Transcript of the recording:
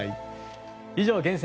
以上、厳選！